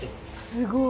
すごい！